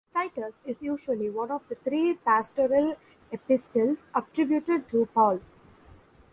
Titus is usually one of the three Pastoral epistles attributed to Paul.